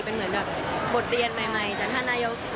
เป็นเหมือนแบบบทเรียนใหม่จากท่านนายก